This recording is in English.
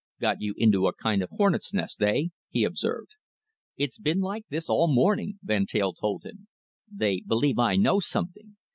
"Got you into a kind of hornets' nest, eh?" he observed. "It's been like this all the morning," Van Teyl told him. "They believe I know something.